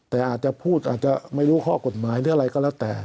แต่อาจจะพูดอาจจะไม่รู้ข้อกฎหมายหรืออะไรก็แล้วแต่